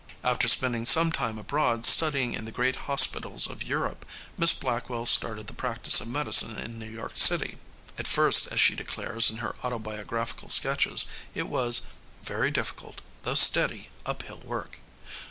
After spending some time abroad studying in the great hospitals of Europe, Miss Blackwell started the practice of medicine in New York City. At first, as she declares in her autobiographical sketches, it was "very difficult, though steady, uphill work.